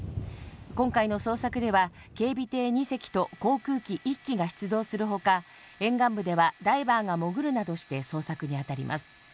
今回の捜索では、警備艇２隻と、航空機１機が出動するほか、沿岸部ではダイバーが潜るなどして捜索に当たります。